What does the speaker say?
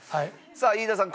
さあ飯田さん